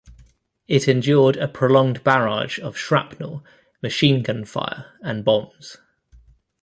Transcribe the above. It endured a prolonged barrage of shrapnel, machine-gun fire and bombs.